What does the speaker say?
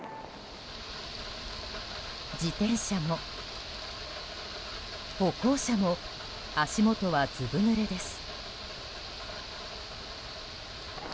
自転車も、歩行者も足元は、ずぶぬれです。